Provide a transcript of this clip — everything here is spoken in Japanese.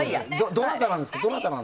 どなたなんですか？